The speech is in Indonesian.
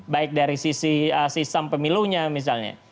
baik dari sisi sistem pemilunya misalnya